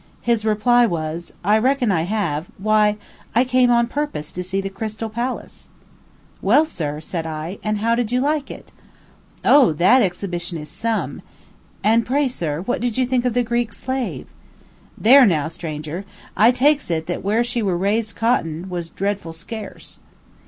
His reply was, "I reckon I have; why, I come on purpose to see the Crystial Palace." "Well, sir," I said, "and how did you like it?" "O, that exhibition is some!" "And pray, sir, what did you think of the Greek Slave?" "There, now, stranger, I takes it that where she were raised _cotton was dreadful scarce."